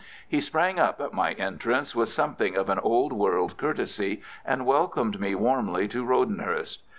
He sprang up at my entrance with something of an old world courtesy and welcomed me warmly to Rodenhurst.